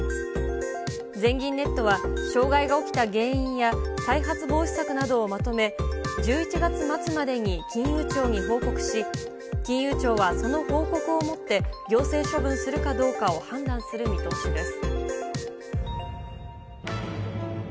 全銀ネットは、障害が起きた原因や再発防止策などをまとめ、１１月末までに金融庁に報告し、金融庁はその報告をもって、行政処分するかどうかを判断する見通しです。